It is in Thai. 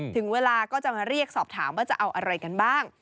ถึงเวลาก็จะมาเรียกสอบถามว่าจะเอาอะไรกันบ้าง